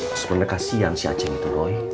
sebenernya kasihan si aceng itu doi